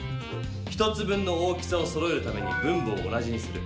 １つ分の大きさをそろえるために分母を同じにする。